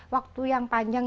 waktu yang panjang